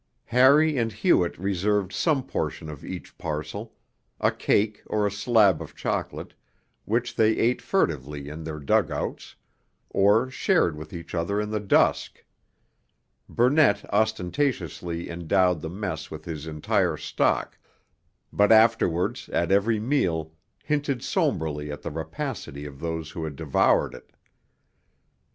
Harry and Hewett reserved some portion of each parcel, a cake or a slab of chocolate, which they ate furtively in their dug outs, or shared with each other in the dusk; Burnett ostentatiously endowed the mess with his entire stock, but afterwards at every meal hinted sombrely at the rapacity of those who had devoured it.